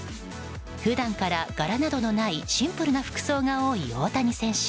普段から柄などのないシンプルな服装が多い大谷選手。